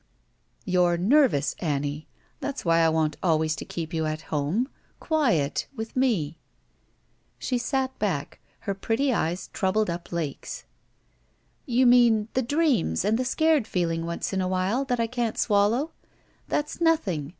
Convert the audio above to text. "You're nervous, Annie. That's why I want always to keep you at home — quiet — ^with me." She sat back, her pretty eyes troubled up lakes. "You mean the dreams and the scared feeling, once in a while, that I can't swallow. That's nothing.